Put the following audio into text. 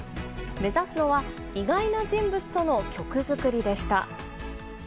目指すのは、意外な人物との曲作りでした。